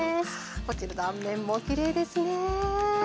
こちら断面もきれいですね。